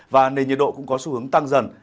và nền nhiệt độ cũng có xu hướng tăng dần